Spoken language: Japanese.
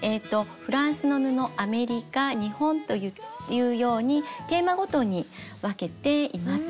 フランスの布アメリカ日本というようにテーマごとに分けています。